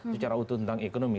secara utuh tentang ekonomi